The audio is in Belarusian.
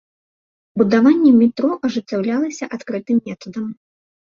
Будаванне метро ажыццяўлялася адкрытым метадам.